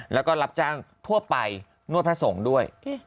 แล้วก็รับจ้างทั่วไปนวดพระสงฆ์ด้วย